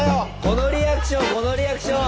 このリアクションこのリアクション。